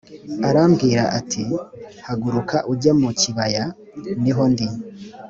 arambwira ati haguruka ujye mu kibaya ni ho ndi